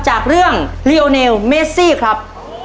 จากเรื่องลีโอเนลเมซี่ครับ